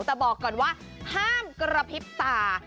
แต่บอกก่อนว่าห้ามกระพริบตา